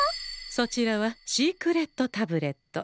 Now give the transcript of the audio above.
そちらは「シークレットタブレット」。